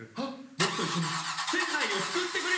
僕と一緒に世界を救ってくれ！